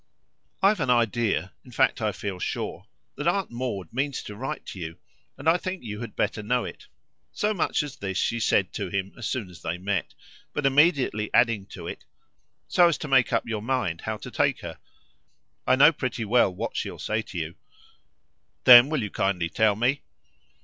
"I've an idea in fact I feel sure that Aunt Maud means to write to you; and I think you had better know it." So much as this she said to him as soon as they met, but immediately adding to it: "So as to make up your mind how to take her. I know pretty well what she'll say to you." "Then will you kindly tell me?"